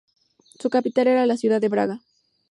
Su capital era la ciudad de Braga.